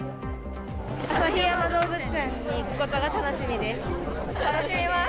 旭山動物園に行くことが楽しみです。